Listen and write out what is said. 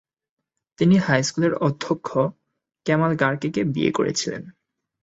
তিনি হাইস্কুলের অধ্যক্ষ কেমাল গার্কিকে বিয়ে করেছিলেন।